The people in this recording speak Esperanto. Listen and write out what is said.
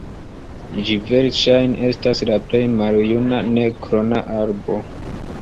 Ĝi verŝajne estas la plej maljuna ne-klona arbo.